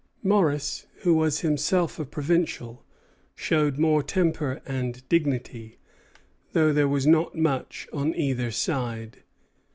Morris, who was himself a provincial, showed more temper and dignity; though there was not too much on either side.